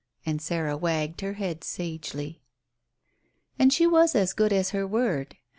And Sarah wagged her head sagely. And she was as good as her word.